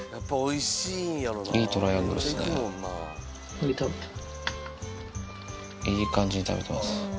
いい感じに食べてます。